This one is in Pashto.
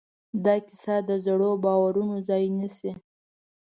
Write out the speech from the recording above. دا کیسه د زړو باورونو ځای نيسي.